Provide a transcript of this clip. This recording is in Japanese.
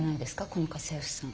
この家政婦さん。